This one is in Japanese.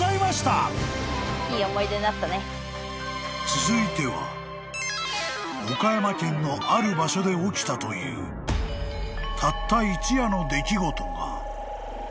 ［続いては岡山県のある場所で起きたというたった］